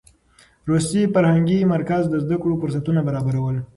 روسي فرهنګي مرکز د زده کړو فرصتونه برابرول.